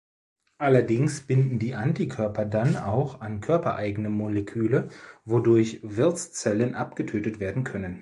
Allerdings binden die Antikörper dann auch an körpereigene Moleküle, wodurch Wirtszellen abgetötet werden können.